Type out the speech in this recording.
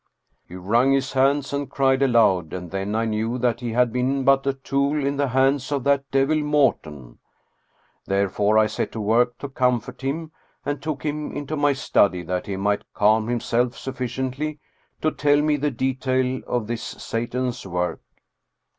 He wrung his hands and cried aloud, and then I knew that he had been but a tool in the hands of that devil, Morten. Therefore I set to work to comfort him, and took him into my study that he might calm himself sufficiently to tell me the detail of this Satan's work.